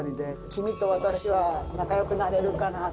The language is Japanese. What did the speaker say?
君と私は仲よくなれるかな。